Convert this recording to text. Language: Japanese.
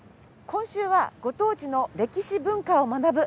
今週は「ご当地の歴史・文化を学ぶ」。